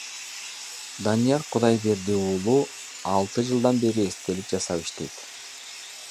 Данияр Кудайберди уулу алты жылдан бери эстелик жасап иштейт.